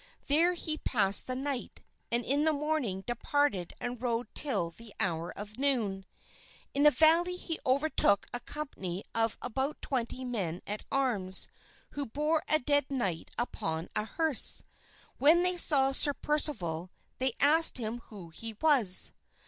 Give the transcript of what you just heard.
There he passed the night, and in the morning departed and rode till the hour of noon. In a valley he overtook a company of about twenty men at arms who bore a dead knight upon a hearse. When they saw Sir Percival they asked him who he was.